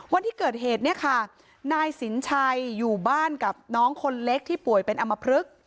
วันที่เกิดเหตุเนี่ยค่ะนายสินชัยอยู่บ้านกับน้องคนเล็กที่ป่วยเป็นอำมพลึก